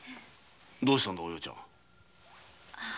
どうしたんだお葉ちゃん？